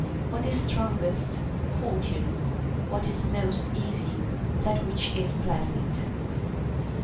What is strongest? Fortune. What is most easy ? That which is pleasant.